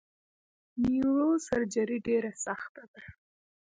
نیوروسرجري ډیره سخته ده!